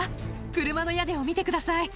車の屋根を見てください。